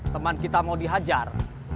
teman kita mau dihajar